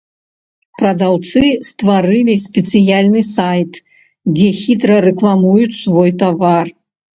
Прадаўцы стварылі спецыяльны сайт, дзе хітра рэкламуюць свой тавар.